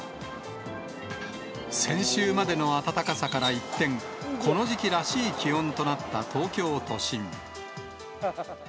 先週までの暖かさから一転、この時期らしい気温となった東京都心。